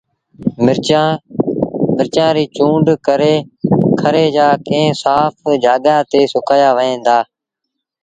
مرچآݩ ريٚ چُونڊ ڪري کري جآݩ ڪݩهݩ سآڦ جآڳآ تي سُڪآيآ وهن دآ